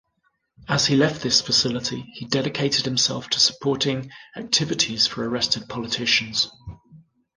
As he left this facility he dedicated himself to supporting activities for arrested politicians.